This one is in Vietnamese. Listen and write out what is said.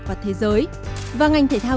và thế giới và ngành thể thao